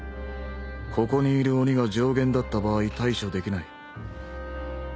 ここにいる鬼が上弦だった場合対処できない。